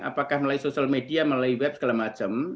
apakah melalui sosial media melalui web segala macam